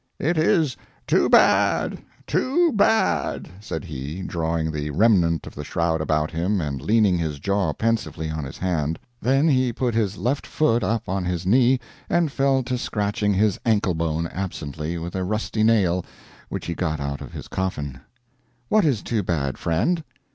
"It is too bad, too bad," said he, drawing the remnant of the shroud about him and leaning his jaw pensively on his hand. Then he put his left foot up on his knee and fell to scratching his anklebone absently with a rusty nail which he got out of his coffin. "What is too bad, friend?"